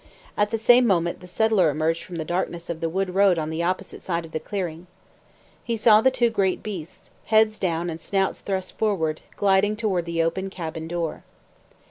At the same moment, the settler emerged from the darkness of the wood road on the opposite side of the clearing. He saw the two great beasts, heads down and snouts thrust forward, gliding toward the open cabin door.